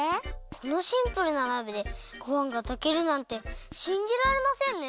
このシンプルな鍋でごはんがたけるなんてしんじられませんね！